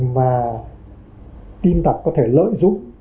mà tin tập có thể lợi dụng